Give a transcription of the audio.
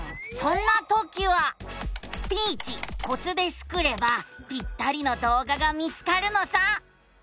そんなときは「スピーチコツ」でスクればぴったりの動画が見つかるのさ。